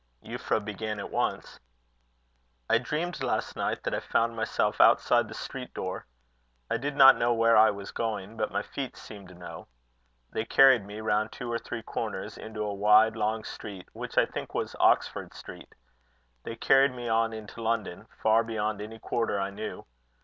Euphra began at once: "I dreamed last night that I found myself outside the street door. I did not know where I was going; but my feet seemed to know. They carried me, round two or three corners, into a wide, long street, which I think was Oxford street. They carried me on into London, far beyond any quarter I knew.